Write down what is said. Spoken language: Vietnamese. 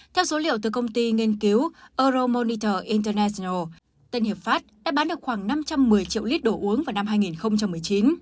theo số liệu từ công ty nghiên cứu euromonital internatial tân hiệp pháp đã bán được khoảng năm trăm một mươi triệu lít đồ uống vào năm hai nghìn một mươi chín